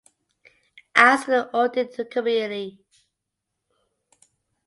Ask the audit committee.